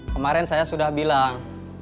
kemarin saya sudah bilang